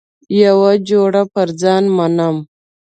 یوه جوړه پر ځان منم.